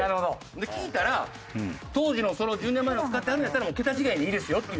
聞いたら当時の１０年前の使ってはるんやったら桁違いでいいですよっていう。